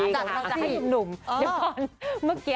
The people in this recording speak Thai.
กำลังจะให้หนุ่มเดี๋ยวก่อนเมื่อกี้